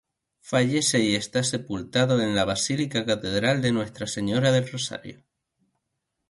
Fallece y está sepultado en la Basílica Catedral de Nuestra Señora del Rosario.